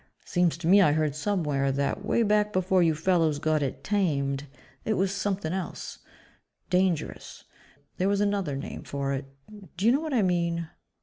Seems to me I heard somewhere that, way back before you fellows got it 'tamed' it was something else dangerous. There was another name for it. Do you know what I mean?"